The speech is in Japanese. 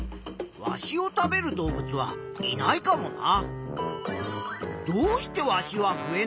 ワシを食べる動物はいないかもな。